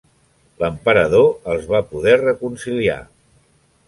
L'emperador els va poder reconciliar.